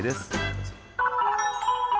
どうぞ。